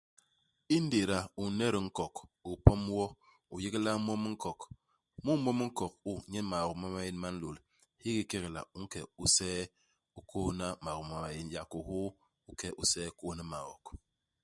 Indéda u n'net nkok, u pom wo, u yégla mom u nkok, mu i mom u nkok u nyen maok ma maén ma nlôl. Hiki kekela u nke u see, u kôhna maok ma maén ; yak kôkôa u ke'e u see, u kôhna maok.